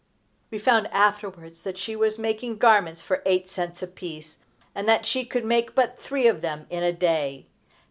We found afterwards that she was making garments for eight cents apiece, and that she could make but three of them in a day!